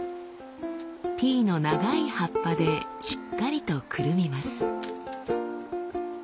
ティーの長い葉っぱでしっかりとくるみます。